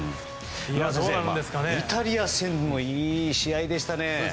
イタリア戦もいい試合でしたね。